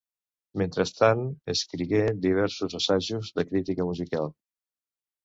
Mentrestant, escrigué diversos assajos de crítica musical.